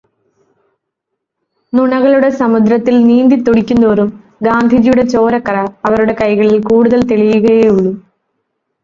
നുണകളുടെ സമുദ്രത്തിൽ നീന്തിത്തുടിക്കുന്തോറും ഗാന്ധിജിയുടെ ചോരക്കറ അവരുടെ കൈകളിൽ കൂടുതൽ തെളിയുകയേ ഉള്ളൂ.